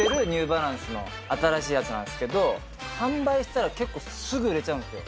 今売ってるニューバランスの新しいやつなんですけど、販売したら結構すぐ売れちゃうんですよ。